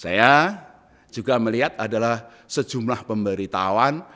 saya juga melihat adalah sejumlah pemberitahuan